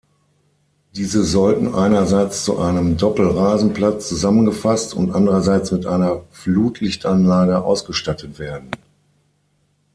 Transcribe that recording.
Diese sollten einerseits zu einem Doppel-Rasenplatz zusammengefasst und anderseits mit einer Flutlichtanlage ausgestattet werden.